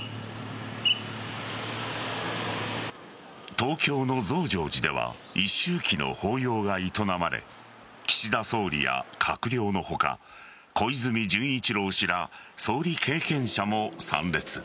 東京の増上寺では一周忌の法要が営まれ岸田総理や閣僚の他小泉純一郎氏ら総理経験者も参列。